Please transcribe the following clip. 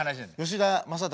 吉田正尚。